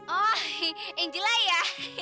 oh angela ya